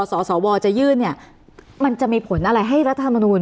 สวจะยื่นเนี่ยมันจะมีผลอะไรให้รัฐธรรมนูล